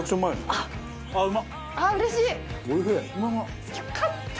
ああーうれしい。